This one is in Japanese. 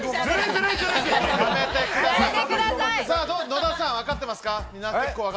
野田さん、分かってますか？